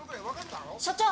所長！